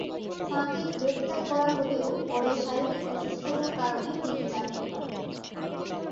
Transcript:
তাঁকে গ্রেপ্তার করা হলেও পরে শারীরিক অসুস্থতার কারণে তিনি জামিন পান।